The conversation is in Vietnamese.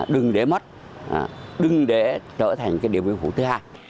đừng để mất đừng để trở thành cái điều viên phủ thứ hai